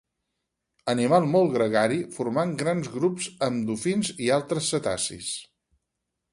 Animal molt gregari, formant grans grups amb dofins i altres cetacis.